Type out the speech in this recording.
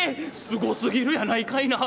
「すごすぎるやないかいな。